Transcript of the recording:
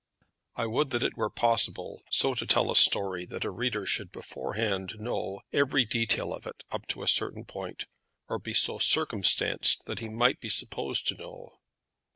I would that it were possible so to tell a story that a reader should beforehand know every detail of it up to a certain point, or be so circumstanced that he might be supposed to know.